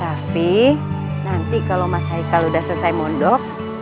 raffi nanti kalau mas haikal udah selesai mondok